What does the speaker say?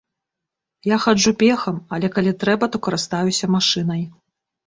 Я хаджу пехам, але калі трэба, то карыстаюся машынай.